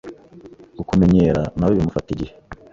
Kukumenyera nawe bimufata igihe